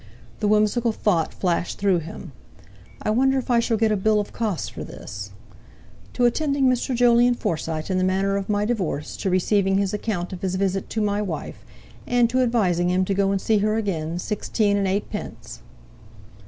The whimsical thought flashed through him: "I wonder if I shall get a bill of costs for this—'To attending Mr. Jolyon Forsyte in the matter of my divorce, to receiving his account of his visit to my wife, and to advising him to go and see her again, sixteen and eightpence.